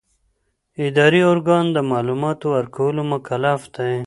اداري ارګان د معلوماتو ورکولو مکلف دی.